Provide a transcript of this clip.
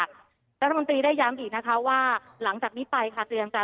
รัฐมนตรีได้ย้ำอีกนะคะว่า